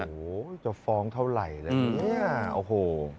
โหจะฟ้องเท่าไหร่เลย